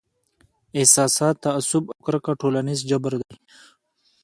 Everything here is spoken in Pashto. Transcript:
احساسات، تعصب او کرکه ټولنیز جبر دی.